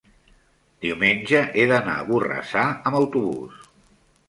diumenge he d'anar a Borrassà amb autobús.